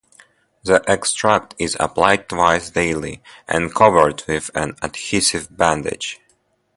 The extract is applied twice daily and covered with an adhesive bandage.